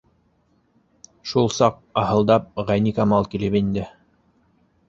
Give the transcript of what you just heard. Шул саҡ, аһылдап, Ғәйникамал килеп инде.